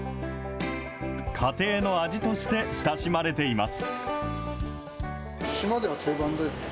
家庭の味として親しまれています。